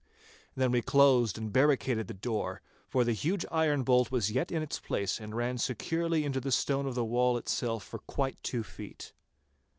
Then we closed and barricaded the door, for the huge iron bolt was yet in its place and ran securely into the stone of the wall itself for quite two feet.